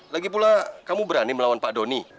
lagi pula kamu berani melawan pak doni